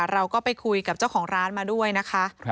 เราก็ไปคุยกับเจ้าของร้านมาด้วยนะคะ